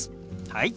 はい。